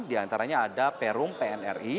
di antaranya ada perum pnri